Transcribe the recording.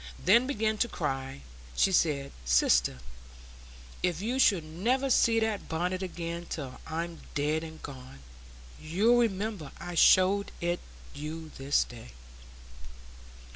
Then, beginning to cry, she said, "Sister, if you should never see that bonnet again till I'm dead and gone, you'll remember I showed it you this day."